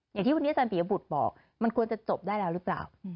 อย่างที่คุณอาจายบุตรบอกมันควรจะจบได้แล้วหรือเปล่า